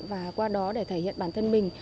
và qua đó để thể hiện bản thân mình